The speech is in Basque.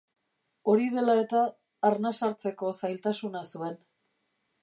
Hori dela eta, arnas hartzeko zailtasuna zuen.